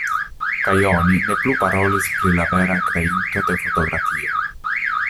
Kaj oni ne plu parolis pri la vera kreinto de fotografio.